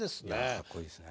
かっこいいですね。